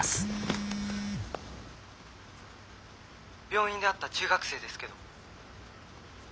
病院で会った中学生ですけど。